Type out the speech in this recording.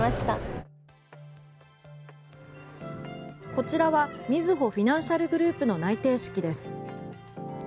こちらはみずほフィナンシャルグループの内定式です。